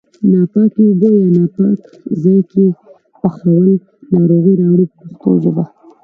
ناپاکې اوبه یا په ناپاک ځای کې پخول ناروغۍ راوړي په پښتو ژبه.